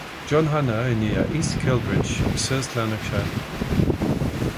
John Hannah est né à East Kilbride en South Lanarkshire.